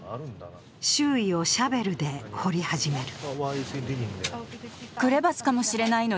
周囲をシャベルで掘り始める。